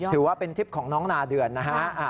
ถือว่าเป็นทริปของน้องนาเดือนนะฮะ